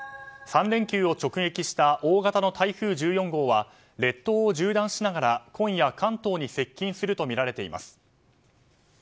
３連休を直撃した大型の台風１４号は列島を縦断しながら、今夜関東に接近するとみられています。